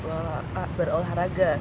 saya harus berolahraga